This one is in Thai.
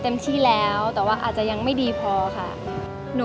มีน่าไปฝึกมาดีนะ